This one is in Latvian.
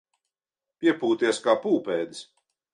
Piepūties kā pūpēdis.